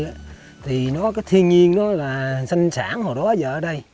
u minh có cái thiên nhiên đó là sanh sản hồi đó giờ ở đây